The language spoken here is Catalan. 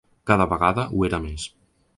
Cada vegada ho era més